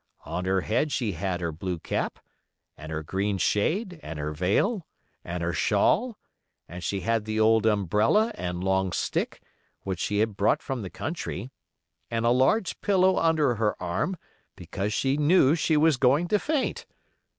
On her head she had her blue cap, and her green shade and her veil, and her shawl; and she had the old umbrella and long stick, which she had brought from the country, and a large pillow under her arm, because she "knew she was going to faint."